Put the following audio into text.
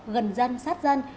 gần dân sát dân